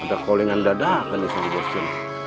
ada callingan dadah kan disini bos jin